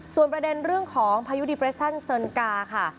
ส่วนประเด็นเรื่องของพายุดีเปรชั่นเซินกาค่ะ